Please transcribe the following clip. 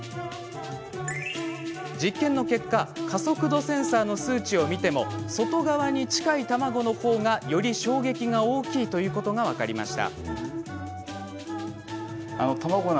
実験の結果加速度センサーの数値を見ても外側に近い卵の方がより衝撃が大きいということが分かりました。